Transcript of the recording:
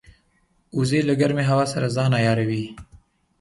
وزې له ګرمې هوا سره ځان عیاروي